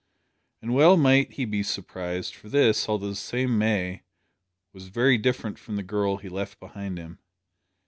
And well might he be surprised, for this, although the same May, was very different from the girl he left behind him.